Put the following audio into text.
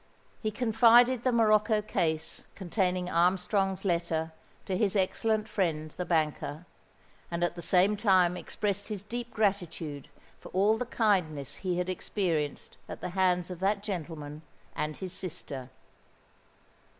He confided the morocco case containing Armstrong's letter, to his excellent friend, the banker, and at the same time expressed his deep gratitude for all the kindness he had experienced at the hands of that gentleman and his sister.